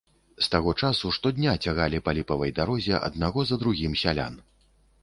З таго часу штодня цягалі па ліпавай дарозе аднаго за другім сялян.